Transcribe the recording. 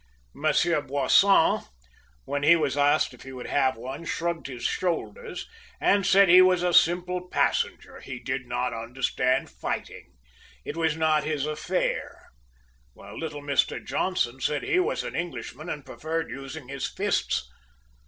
Monsieur Boisson, when he was asked if he would have one, shrugged his shoulders and said he was a simple passenger, he did not understand fighting it was not his affair; while little Mr Johnson said he was an Englishman and preferred using his fists.